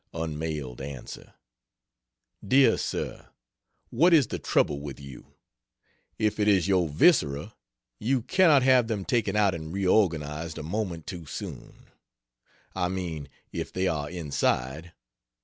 Unmailed Answer: DEAR SIR, What is the trouble with you? If it is your viscera, you cannot have them taken out and reorganized a moment too soon. I mean, if they are inside.